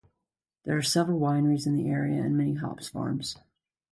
There are several wineries in the area, and many hops farms.